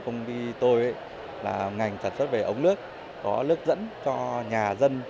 ngành sản xuất về ống nước có lước dẫn cho nhà dân